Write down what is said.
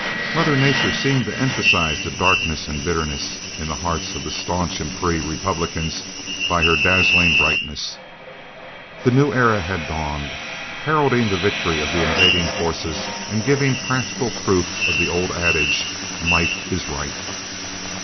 Mother Nature seemed to emphasise the darkness and bitterness in the hearts of the staunch and free Republicans by her dazzling brightness. The new era had dawned, heralding the victory of the invading forces and giving practical proof of the old adage, "Might is right."